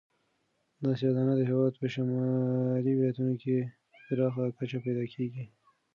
دا سیاه دانه د هېواد په شمالي ولایتونو کې په پراخه کچه پیدا کیږي.